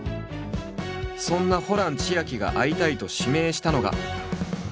そんなホラン千秋が会いたいと指名したのが。